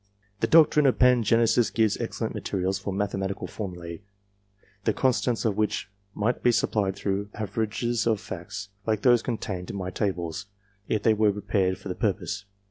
The doctrine of Pangenesis gives excellent materials for mathematical formula, the constants of which might be supplied through averages of facts, like those contained in my tables, if they were prepared for the purpose.